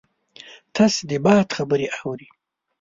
تش د باد خبرې اوري